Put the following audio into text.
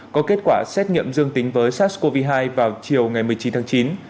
có kết quả xét nghiệm dương tính với sars cov hai vào chiều ngày một mươi chín tháng chín